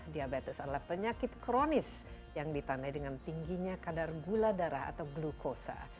diabetes adalah penyakit kronis yang ditandai dengan tingginya kadar gula darah atau glukosa